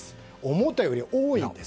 思ったより多いんです。